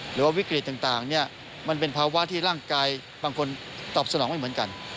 หรือว่าวิกฤตต่างมันเป็นภาวะที่ร่างกายบางคนตอบสนองไม่เหมือนกัน